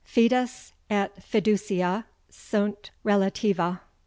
FIDES ET FIDUCIA SUNT RELATIVA.